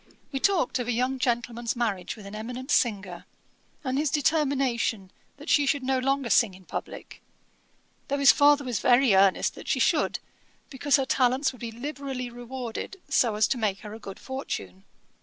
We talked of a young gentleman's marriage with an eminent singer, and his determination that she should no longer sing in publick, though his father was very earnest she should, because her talents would be liberally rewarded, so as to make her a good fortune.